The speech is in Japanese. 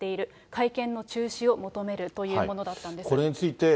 会見の中止を求めるというものだったんです。